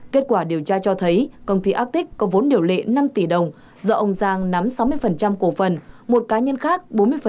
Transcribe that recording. kết quả điều tra cho thấy công ty actic có vốn điều lệ năm tỷ đồng do ông giang nắm sáu mươi cổ phần một cá nhân khác